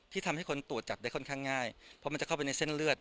ทำให้คนตรวจจับได้ค่อนข้างง่ายเพราะมันจะเข้าไปในเส้นเลือด